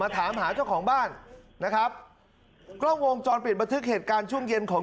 อ้างกุมภาพันธ์ที่ผ่านมาครับคุณผู้ชมครับชายจักรรม๓คน